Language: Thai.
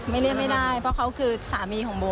เรียกไม่ได้เพราะเขาคือสามีของโบ